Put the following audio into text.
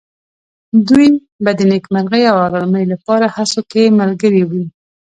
دوی به د نېکمرغۍ او آرامۍ لپاره هڅو کې ملګري وي.